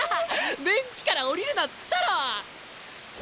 ベンチから下りるなっつったろう！